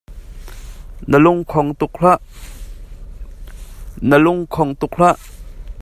Nan cabuai a mil ngaingai.